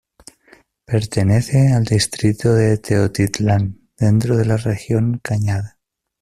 Pertenece al distrito de Teotitlán, dentro de la región Cañada.